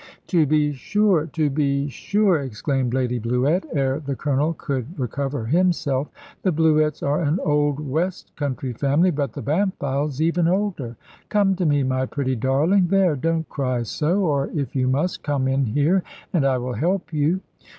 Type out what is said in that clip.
"To be sure, to be sure!" exclaimed Lady Bluett, ere the Colonel could recover himself: "the Bluetts are an old west country family; but the Bampfyldes even older. Come to me, my pretty darling. There, don't cry so; or if you must, come in here, and I will help you.